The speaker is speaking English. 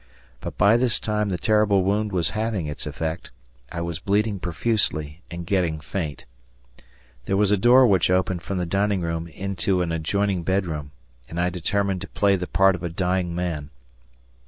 But by this time the terrible wound was having its effect; I was bleeding profusely and getting faint. There was a door which opened from the dining room into an adjoining bedroom, and I determined to play the part of a dying man.